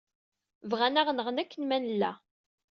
Bɣan ad aɣ-nɣen akken ma nella.